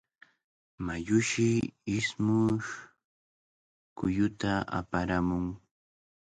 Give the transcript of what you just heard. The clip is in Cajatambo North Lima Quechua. Mayushi ismush kulluta aparamun.